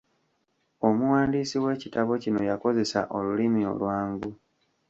Omuwandiisi w'ekitabo kino yakozesa olulimi olwangu!